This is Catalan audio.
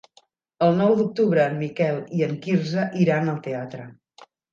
El nou d'octubre en Miquel i en Quirze iran al teatre.